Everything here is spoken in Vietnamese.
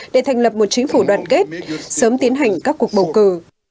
để thành lập một chính phủ đoàn kết sớm tiến hành các cuộc bầu cử